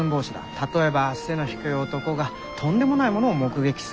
例えば背の低い男がとんでもないものを目撃する。